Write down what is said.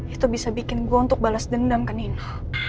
itu bisa bikin gue untuk balas dendam ke nino